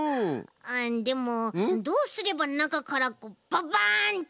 あっでもどうすればなかからこうババンってとびだすかな？